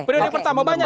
pertama banyak sekali